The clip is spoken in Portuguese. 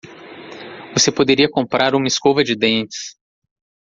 Você poderia comprar uma escova de dentes.